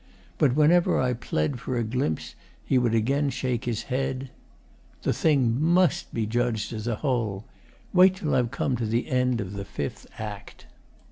But whenever I pled for a glimpse he would again shake his head: 'The thing MUST be judged as a whole. Wait till I've come to the end of the Fifth Act.